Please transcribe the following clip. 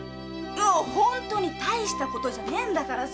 本当に大したことじゃねえんだからさ。